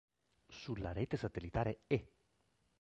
Sulla rete satellitare E!